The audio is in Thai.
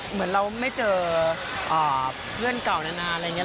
เหมือนเราไม่เจอเพื่อนเก่านานอะไรอย่างนี้